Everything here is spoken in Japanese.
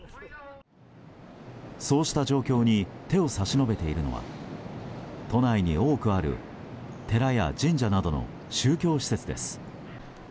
そうした状況に手を差し伸べているのは都内に多くある寺や神社などの宗教施設です。